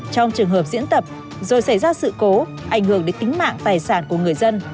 trong trường hợp diễn tập rồi xảy ra sự cố ảnh hưởng đến tính mạng tài sản của người dân